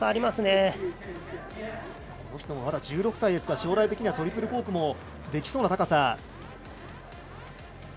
まだ１６歳ですから将来的にはトリプルコークもできそうな高さ。